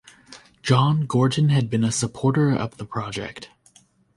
John Gorton had been a supporter of the project.